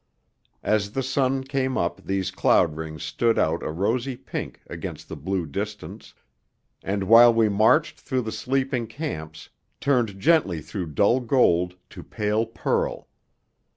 As the sun came up these cloud rings stood out a rosy pink against the blue distance, and while we marched through the sleeping camps turned gently through dull gold to pale pearl.